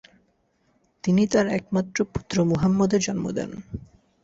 তিনি তার একমাত্র পুত্র মুহাম্মদের জন্ম দেন।